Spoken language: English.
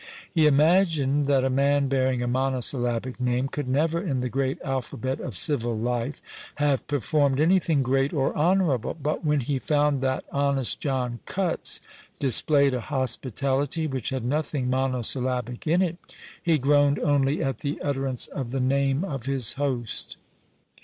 He imagined that a man bearing a monosyllabic name could never, in the great alphabet of civil life, have performed anything great or honourable; but when he found that honest John Cuts displayed a hospitality which had nothing monosyllabic in it, he groaned only at the utterance of the name of his host.